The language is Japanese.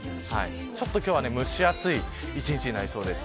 ちょっと今日は蒸し暑い一日になりそうです。